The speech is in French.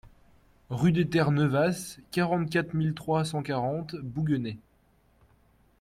Rue des Terres-Neuvas, quarante-quatre mille trois cent quarante Bouguenais